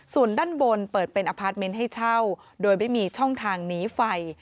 ส่วนด้านบนเปิดเป็นอพาร์ทเมนต์ให้เช่าโดยไม่มีช่องทางหนีไฟ